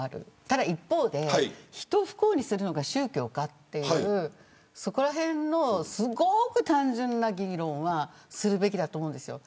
ただ一方で人を不幸にするのが宗教かというそこらへんのすごく単純な議論はするべきだと思うんですよ。